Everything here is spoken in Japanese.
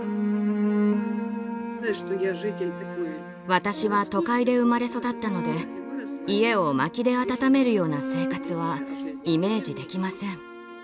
私は都会で生まれ育ったので家を薪で暖めるような生活はイメージできません。